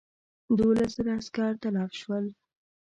دوولس زره عسکر تلف شول.